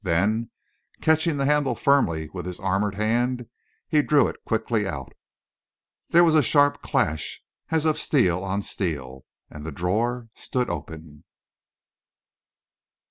then, catching the handle firmly with his armoured hand, he drew it quickly out. There was a sharp clash, as of steel on steel, and the drawer stood open.